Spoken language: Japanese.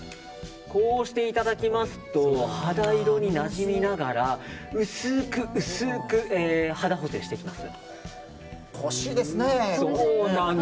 こうしていただきますと肌色になじみながら薄く薄く肌補正していきます。